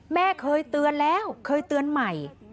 แม่เคยเตือนแล้วเคยเตือนใหม่